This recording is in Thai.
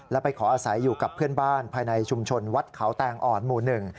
และไปขออาศัยอยู่กับเพื่อนบ้านภายในชุมชนวัดเขาแตงอ่อนหมู่หนึ่ง